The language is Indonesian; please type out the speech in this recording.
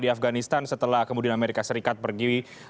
di afganistan setelah kemudian amerika serikat pergi